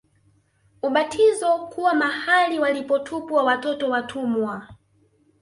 Ubatizo kuwa mahali walipotupwa watoto watumwa